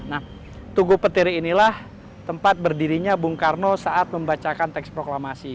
nah tugu petiri inilah tempat berdirinya bung karno saat membacakan teks proklamasi